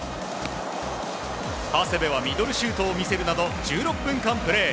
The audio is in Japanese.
長谷部はミドルシュートを見せるなど１６分間プレー。